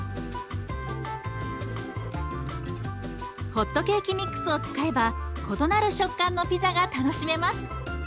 ホットケーキミックスを使えば異なる食感のピザが楽しめます。